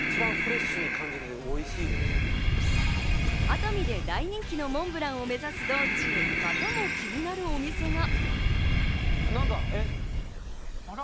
熱海で大人気のモンブランを目指す道中、またも気になるお店が。